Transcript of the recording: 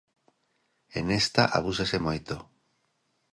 E nesta abúsase moito.